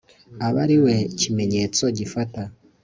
aba ari we ikimenyetso gifata